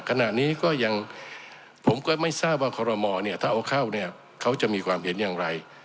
ขณะนี้ก็ยังผมก็ไม่ทราบว่าคอรมอเนี่ยถ้าเอาเข้าเนี่ยเขาจะมีความเห็นอย่างไร